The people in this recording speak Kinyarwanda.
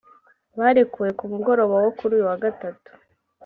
barekuwe ku mugoroba wo kuri uyu wa Gatatu